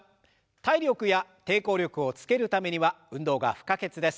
体力や抵抗力をつけるためには運動が不可欠です。